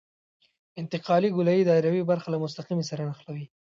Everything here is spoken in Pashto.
انتقالي ګولایي دایروي برخه له مستقیمې سره نښلوي